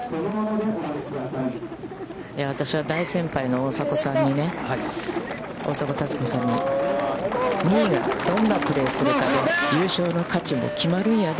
私は大先輩の大迫さんに、大迫たつ子さんに、２位がどんなプレーをするかで、優勝の価値も決まるんやで